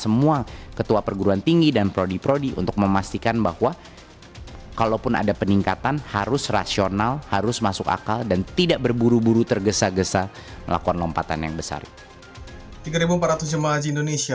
selanjutnya mereka melakukan umrah wajib dan bersiap menyambut punca haji